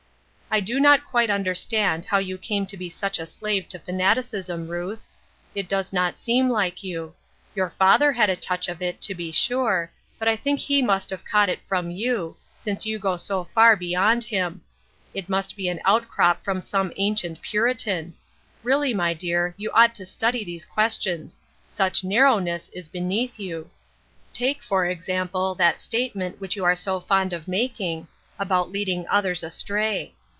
" I do not quite understand how you came to be such a slave to fanaticism, Ruth ; it does not seem like you. Your father had a touch of it, to be sure, but I think he must have caught it from you, since you go so fur beyond him. It must be an outcrop 104 TH E OLD QUESTION. from some ancient Puritan ; really, my clear, you ought to study these questions ; such narrowness is beneath you. Take, for example, that statement which you are so fond of making — about leading others astray.